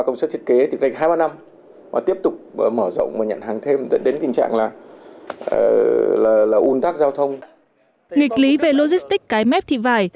nghịch lý về logistic cái mép thị vải